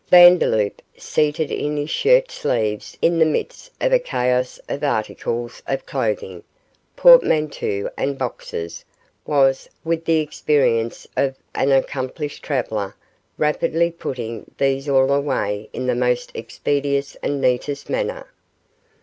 Vandeloup, seated in his shirt sleeves in the midst of a chaos of articles of clothing, portmanteaux, and boxes, was, with the experience of an accomplished traveller, rapidly putting these all away in the most expeditious and neatest manner.